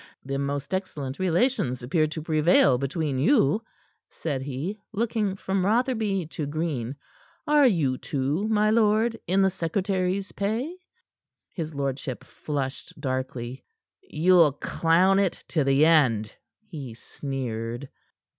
"The most excellent relations appear to prevail between you," said he, looking from Rotherby to Green. "Are you, too, my lord, in the secretary's pay." His lordship flushed darkly. "You'll clown it to the end," he sneered.